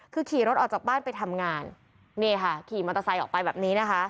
คือขี่รถออกจากบ้านไปทำงานนี่ค่ะขี่มอเตอร์ไซค์ออกไปแบบนี้นะคะ